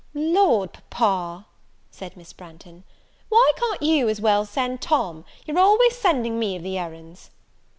"Lord, Papa," said Miss Branghton, "why can't you as well send Tom? you're always sending me of the errands."